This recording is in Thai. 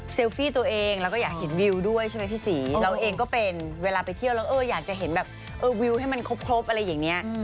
ฟี่ตัวเองแล้วก็อยากเห็นวิวด้วยใช่ไหมพี่ศรีเราเองก็เป็นเวลาไปเที่ยวแล้วเอออยากจะเห็นแบบเออวิวให้มันครบอะไรอย่างนี้